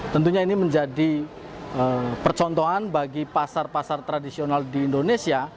tentunya ini menjadi percontohan bagi pasar pasar tradisional di indonesia